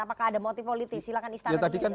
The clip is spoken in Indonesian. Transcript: apakah ada motif politik silahkan istanak istanak